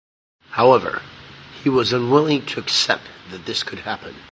However, he was unwilling to accept that this could happen.